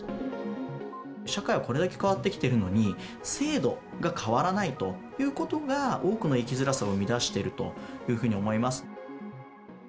社会はこれだけ変わってきてるのに、制度が変わらないということが、多くの生きづらさを生み出しているというふうに思います。